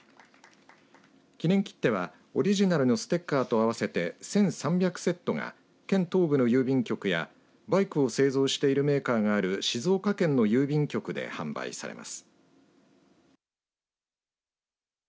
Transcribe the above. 記念切手はオリジナルのステッカーとあわせて１３００セットが県東部の郵便局やバイクを製造しているメーカーがある静岡県の郵便局で販売されます。